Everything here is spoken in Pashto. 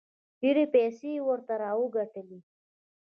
ډېرې پیسې یې ورته راوګټلې.